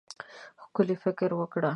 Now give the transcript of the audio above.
ښکلی فکر وکړه.